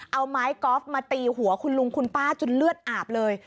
เอาไม้กอล์ฟมาตีหัวคุณลุงคุณป้าจนเลือดอาบเลย